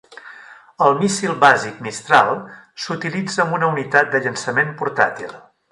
El míssil bàsic Mistral s'utilitza amb una unitat de llançament portàtil.